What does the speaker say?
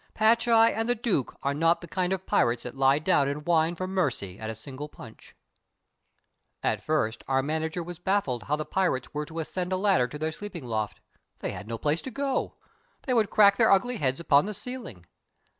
Patch Eye and the Duke are not the kind of pirates that lie down and whine for mercy at a single punch. At first our manager was baffled how the pirates were to ascend a ladder to their sleeping loft. They had no place to go. They would crack their ugly heads upon the ceiling.